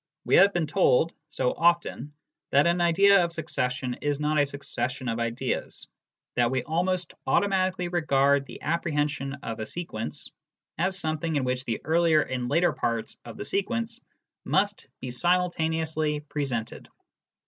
We have been told so often that an idea of succession is not a succession of ideas, that we almost automatically regard the apprehension of a sequence as something in which the earlier and later parts of the sequence must be simultaneously presented.